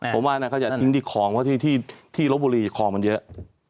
ผมว่าเนี่ยเขาจะทิ้งที่คอมเพราะที่รถบุรีคอมมันเยอะ